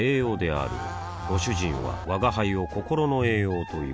あぁご主人は吾輩を心の栄養という